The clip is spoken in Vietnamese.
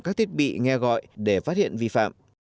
các thiết bị nghe gọi để phát hiện vi phạm